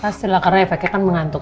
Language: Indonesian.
pastilah karena efeknya kan mengantuk